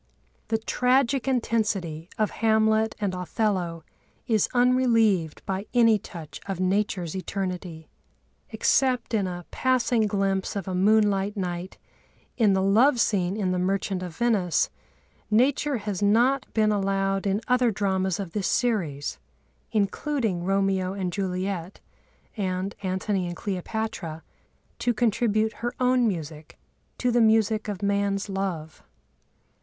The tragic intensity of Hamlet and Othello is unrelieved by any touch of Nature's eternity. Except in a passing glimpse of a moonlight night in the love scene in the Merchant of Venice, Nature has not been allowed in other dramas of this series, including Romeo and Juliet and Antony and Cleopatra, to contribute her own music to the music of man's love.